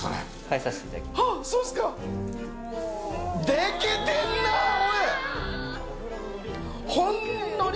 でけてんな、おい！